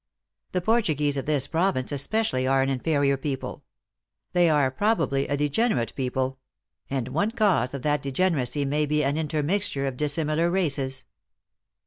The Portuguese of this province especially are an inferior people. They are probably a degen erate people; and one cause of that degeneracy may be an intermixture of dissimilar races."